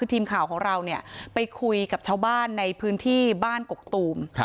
ทีมข่าวของเราไปคุยกับชาวบ้านในพื้นที่บ้านกกตูม